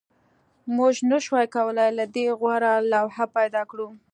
موږ نشوای کولی له دې غوره لوحه پیدا کړو